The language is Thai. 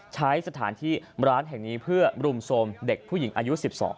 ใช้สถานที่ร้านแห่งนี้เพื่อรุมโทรมเด็กผู้หญิงอายุ๑๒